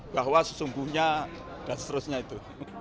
bahwa sesungguhnya dan seterusnya itu